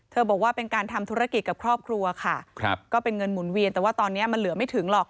บอกว่าเป็นการทำธุรกิจกับครอบครัวค่ะครับก็เป็นเงินหมุนเวียนแต่ว่าตอนนี้มันเหลือไม่ถึงหรอก